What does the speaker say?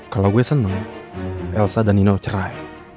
kalau gue seneng elsa dan nino cerai